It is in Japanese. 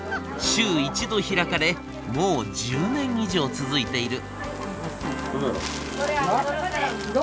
週１度開かれもう１０年以上続いている。